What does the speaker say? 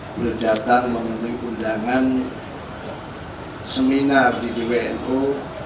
beliau datang mengundang undang seminar di bwn ojt